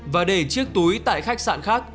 và để chiếc túi tại khách sạn khác